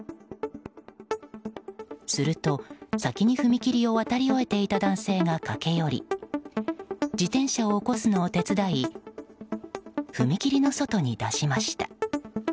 すると、先に踏切を渡り終えていた男性が駆け寄り自転車を起こすのを手伝い踏切の外に出しました。